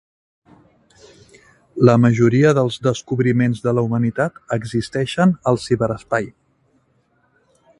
La majoria dels descobriments de la humanitat existeixen al ciberespai.